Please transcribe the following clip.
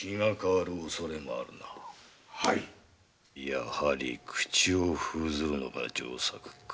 やはり口を封ずるのが上策か。